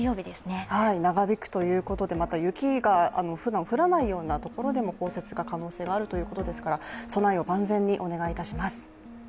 長引くということで、雪がふだん降らないようなところでも、降雪の可能性があるということですから備えを万全にお願いいたします。